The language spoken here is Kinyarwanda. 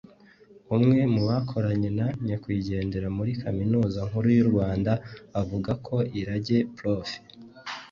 umwe mu bakoranye na nyakwigendera muri Kaminuza Nkuru y’u Rwanda avuga ko irage Prof